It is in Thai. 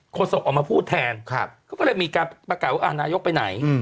โศกออกมาพูดแทนเขาก็เลยมีการประกาศว่านายกไปไหน